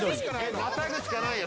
またぐしかないよ